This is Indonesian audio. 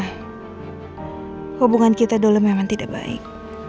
hubungan kita dulu memang tidak baik